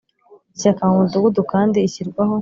ishyaka mu mudugudu kandi ishyirwaho